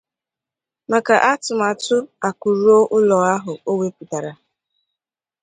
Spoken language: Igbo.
maka atụmatụ 'Akụ Ruo Ụlọ' ahụ o wepụtara